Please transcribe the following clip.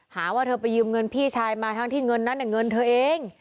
หาว่าเธอไปยืมเงินพี่ชายมาทั้งที่เงินนั้นเงินเธอเอง